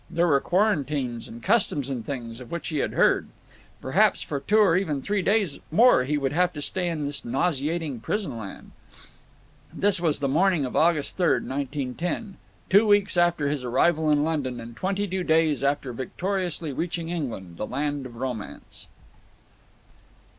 There were quarantines and customs and things, of which he had heard. Perhaps for two or even three days more he would have to stay in this nauseating prison land. This was the morning of August 3, 1910, two weeks after his arrival in London, and twenty two days after victoriously reaching England, the land of romance.